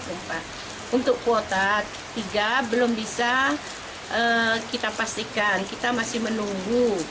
untuk kuota tiga belum bisa kita pastikan kita masih menunggu